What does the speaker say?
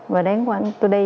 và đến khoảng tôi đi